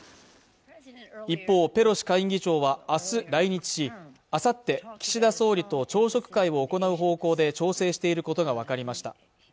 一方ペロシ下院議長はあす来日しあさって岸田総理と朝食会を行う方向で調整していることが分かりました